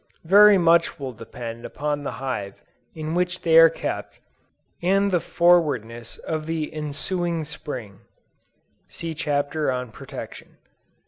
Very much will depend upon the hive in which they are kept, and the forwardness of the ensuing Spring; (see Chapter on Protection.)